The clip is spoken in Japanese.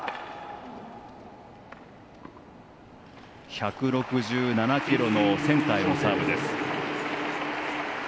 １６７キロのセンターへのサーブです。